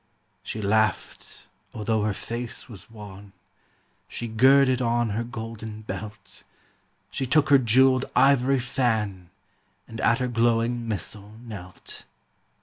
She laughed although her face was wan, She girded on her golden belt, She took her jewelled ivory fan, And at her glowing missal knelt.